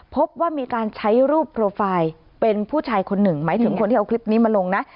พบว่ามีการใช้รูปโปรไฟล์เป็นผู้ชายคนหนึ่งหมายถึงคนที่เอาคลิปนี้มาลงนะ